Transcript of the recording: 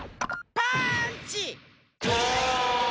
パーンチ！